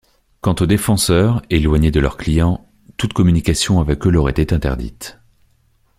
Quant aux défenseurs, éloignés de leurs clients, toute communication avec eux leur était interdite.